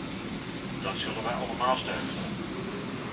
Dat zullen wij allemaal steunen.